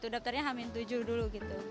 daftarnya amin tujuh dulu